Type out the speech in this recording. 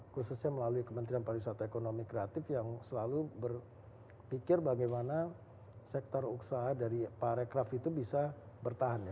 khususnya melalui kementerian pariwisata ekonomi kreatif yang selalu berpikir bagaimana sektor usaha dari parekraf itu bisa bertahan ya